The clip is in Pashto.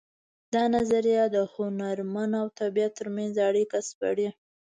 دا نظریه د هنرمن او طبیعت ترمنځ اړیکه سپړي